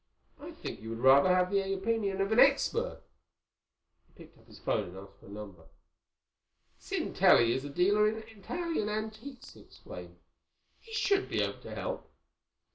I think you would rather have the opinion of an expert." He picked up his phone and asked for a number. "Sintelli is a dealer in Italian antiques," he explained. "He should be able to help.